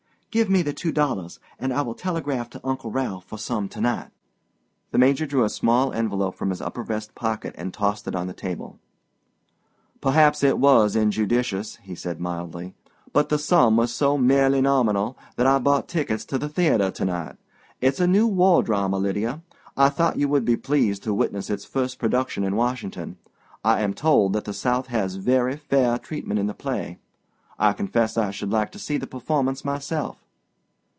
"Give me the two dollars, and I will telegraph to Uncle Ralph for some to night." The Major drew a small envelope from his upper vest pocket and tossed it on the table. "Perhaps it was injudicious," he said mildly, "but the sum was so merely nominal that I bought tickets to the theater to night. It's a new war drama, Lydia. I thought you would be pleased to witness its first production in Washington. I am told that the South has very fair treatment in the play. I confess I should like to see the performance myself."